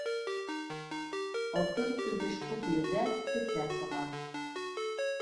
Алтын-көмөш күп ерҙә фетнә сыға.